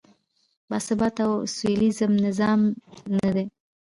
باثباته او سولیز نظام نه دی.